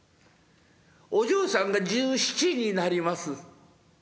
お嬢さんが１７になります。